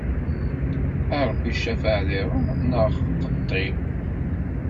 A Ṛebbi cafeɛ di ṛṛuḥ neɣ qeṭṭi!